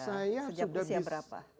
sejak usia berapa